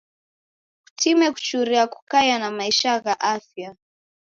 Kutime kuchuria kukaia na maisha gha afya.